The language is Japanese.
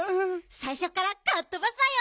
さいしょからかっとばすわよ！